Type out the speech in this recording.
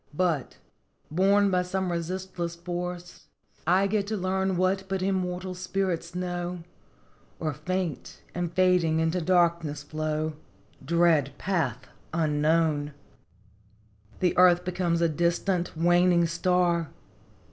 *" But, borne by some resistless force, I go To learn what but immortal spirits know Or faint and fading into darkness flow Dread path unknown !" The earth becomes a distant waning star.